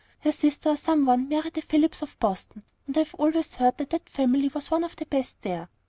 Her sister, or some one, married a Phillips of Boston, and I've always heard that that family was one of the best there.